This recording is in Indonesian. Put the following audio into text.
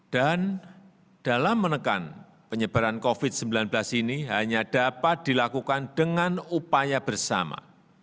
dan dalam menekan penyebaran covid sembilan belas ini hanya dapat dilakukan dengan upaya bersama